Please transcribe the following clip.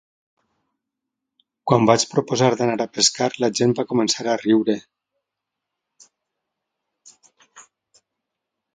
Quan vaig proposar d'anar a pescar la gent va començar a riure